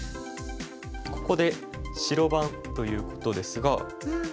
ここで白番ということですが。